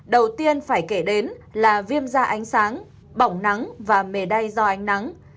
đầu tiên phải kể đến là viêm da ánh sáng bỏng nắng và mề đay do ánh nắng